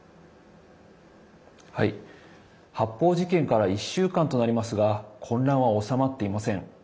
発砲事件から１週間となりますが混乱は収まっていません。